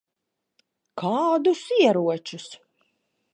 Kādus ieročus?